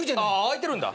開いてるんだ。